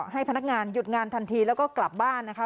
ให้พนักงานหยุดงานทันทีแล้วก็กลับบ้านนะคะ